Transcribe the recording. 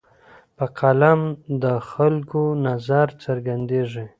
په قلم د خلکو نظر څرګندېږي.